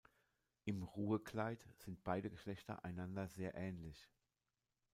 Im Ruhekleid sind beide Geschlechter einander sehr ähnlich.